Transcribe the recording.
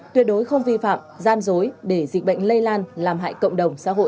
tuyệt đối không vi phạm gian dối để dịch bệnh lây lan làm hại cộng đồng xã hội